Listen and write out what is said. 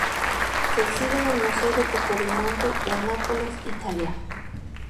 Se exhibe en el Museo de Capodimonte, en Nápoles, Italia.